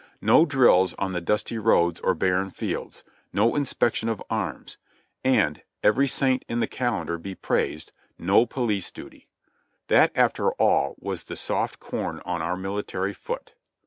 No drills on the dusty roads or barren fields; no inspection of arms; and — every saint in the calendar be praised !— no police duty. That after all w^as the soft corn on our military foot.